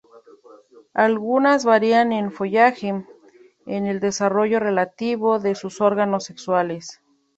Algunas varían en follaje, en el desarrollo relativo de sus órganos sexuales.